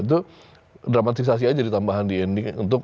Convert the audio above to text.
itu dramatisasi aja ditambahkan di ending